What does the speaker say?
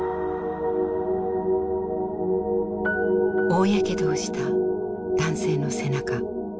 大やけどをした男性の背中。